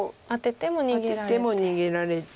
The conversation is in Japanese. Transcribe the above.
アテても逃げられて。